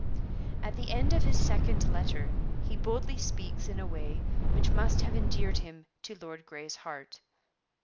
At the end of his second letter he boldly speaks in a way which must have endeared him to Lord Grey's heart.